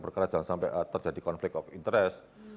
perkerjaan sampai terjadi konflik of interest